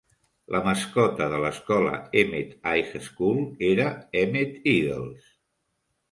La mascota de l'escola Emmett High School era Emmett Eagles.